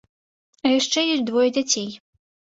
А яшчэ ёсць двое дзяцей.